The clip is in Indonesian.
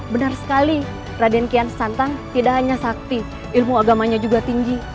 benar sekali raden kian santang tidak hanya sakti ilmu agamanya juga tinggi